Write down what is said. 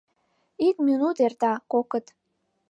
Ик минут эрта, кокыт.